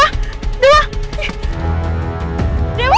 itu sih dewa